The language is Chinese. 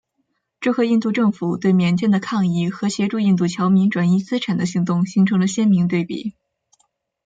这和印度政府对缅甸的抗议和协助印度侨民转移资产的行动形成了鲜明对比。